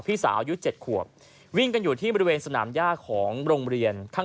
พี่สาวอายุ๗ขวบวิ่งกันอยู่ที่บริเวณสนามย่าของโรงเรียนข้าง